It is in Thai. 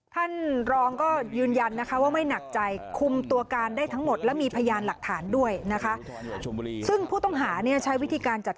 ท่านรองก็ยืนยันว่าไม่หนักใจคุมตัวการได้ทั้งหมด